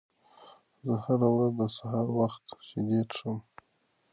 زه هره ورځ د سهار وخت شیدې څښم.